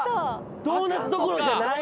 ドーナツどころじゃない。